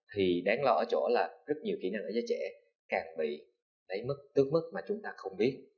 thì đáng lo ở chỗ là rất nhiều kỹ năng ở giới trẻ càng bị đáy mất tước mất mà chúng ta không biết